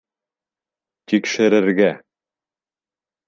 Тикшерергә.